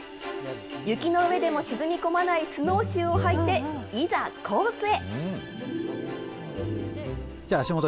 雪の上でも沈み込まないスノーシューを履いて、いざコースへ。